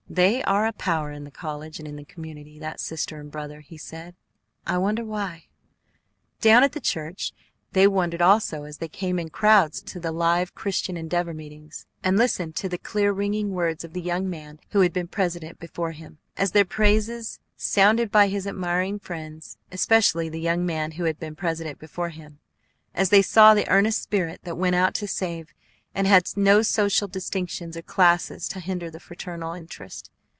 "They are a power in the college and in the community, that sister and brother," he said. "I wonder why." Down at the church they wondered also as they came in crowds to the live Christian Endeavor meetings, and listened to the clear, ringing words of the young man who had been president before him; as they praises sounded by his admiring friends, especially the young man who had been president before him; as they saw the earnest spirit that went out to save, and had no social distinctions or classes to hinder the fraternal interest.